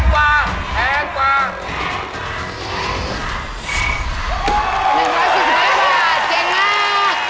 ๔๑๑บาทเจ๊งมาก๖๑๒บาทเจ๊งมาก